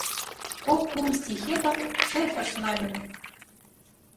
— Кок-кум стихетым «шефыш» нальым